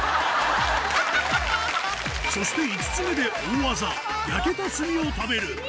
そして５つ目で大技炭を食べるの？